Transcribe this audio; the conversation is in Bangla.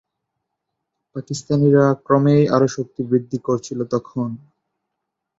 পাকিস্তানিরা ক্রমেই আরও শক্তি বৃদ্ধি করছিল তখন।